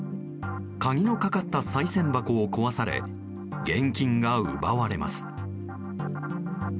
鍵のかかったさい銭箱を壊され現金が奪われます。